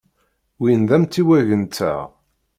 Win d amtiweg-nteɣ.